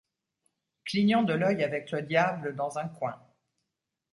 Clignant de l’œil avec le diable dans un coin